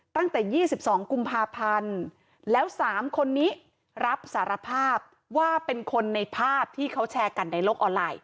ตั้งแต่๒๒กุมภาพันธ์แล้ว๓คนนี้รับสารภาพว่าเป็นคนในภาพที่เขาแชร์กันในโลกออนไลน